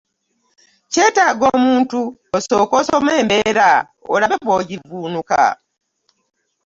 Kyetaaga omuntu osooke osome embeera olabe bw'ogivvuunuka.